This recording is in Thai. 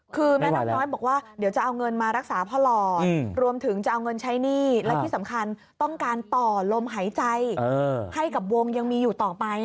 คือแม่นกน้อยบอกว่าเดี๋ยวจะเอาเงินมารักษาพ่อหลอดรวมถึงจะเอาเงินใช้หนี้และที่สำคัญต้องการต่อลมหายใจให้กับวงยังมีอยู่ต่อไป